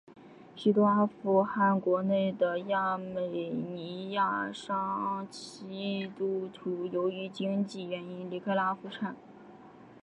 许多阿富汗国内的亚美尼亚裔基督徒由于经济原因离开了阿富汗。